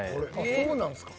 そうなんですか。